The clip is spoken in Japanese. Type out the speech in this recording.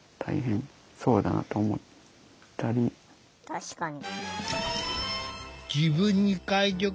確かに。